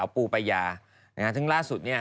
พูปายาซังล่าสุดนี่